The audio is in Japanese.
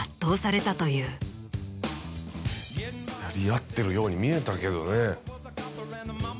やり合ってるように見えたけどね。